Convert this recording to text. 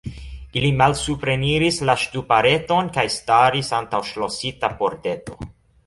Ili malsupreniris la ŝtupareton kaj staris antaŭ ŝlosita pordeto.